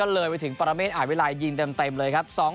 เลยไปถึงปรเมฆอาจวิลัยยิงเต็มเลยครับ